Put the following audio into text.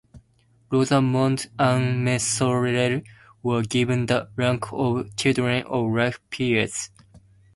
Rosamond Ann Metherell were given the rank of children of life peers.